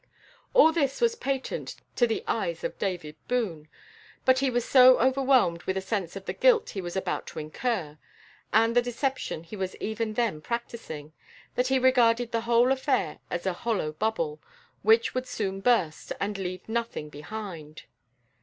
All this was patent to the eyes of David Boone, but he was so overwhelmed with a sense of the guilt he was about to incur, and the deception he was even then practising, that he regarded the whole affair as a hollow bubble, which would soon burst and leave nothing behind.